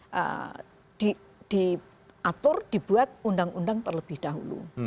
kemudian diatur dibuat undang undang terlebih dahulu